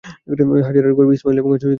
হাজেরার গর্ভে ইসমাঈল এবং সারাহর গর্ভে ইসহাক।